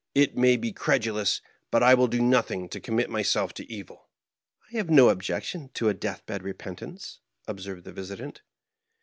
It may be credulous, but I will do nothing to commit myself to evil." " I have no objection to a death bed repentance," ob served the visitant.